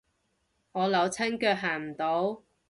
我扭親腳行唔到